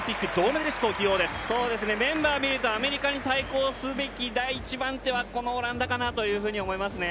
メンバーを見るとアメリカに対抗する第１番手はこのオランダかなというふうに思いますね。